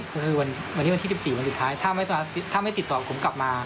คือคือวันวันนี้วันที่สิบสี่วันสุดท้ายถ้าไม่สามารถถ้าไม่ติดต่อผมกลับมา